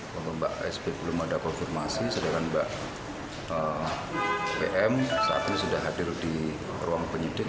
kalau mbak sp belum ada konfirmasi sedangkan mbak pm saat ini sudah hadir di ruang penyidik